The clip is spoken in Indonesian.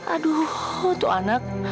aduh tuh anak